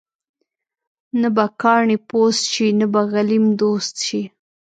نه به کاڼې پوست شي ، نه به غلیم دوست شي.